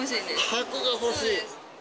箱が欲しい？